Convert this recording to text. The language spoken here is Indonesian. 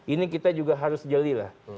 ini kita juga harus jelilah